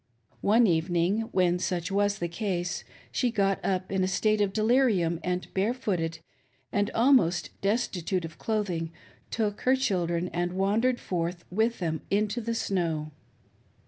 One evening, when such was the ease, she got up in a THE "philosopher" AND HIS DYING WIFE. 523 state of delirium, and barefooted, and almost destitute of clothing, took her children, and wandered forth with them into the snow.